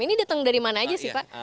ini datang dari mana aja sih pak